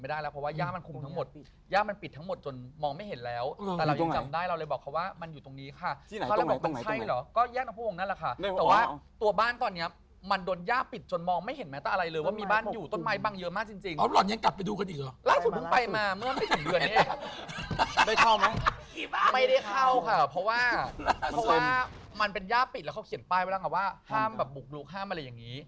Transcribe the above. ไม่ได้เข้าค่ะเพราะว่ามันเป็นย่าปิดแล้วเขาเขียนป้ายบ้างว่าห้ามบุกลุกห้ามอะไรอย่างนี้